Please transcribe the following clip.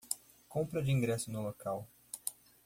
Compra de ingressos no local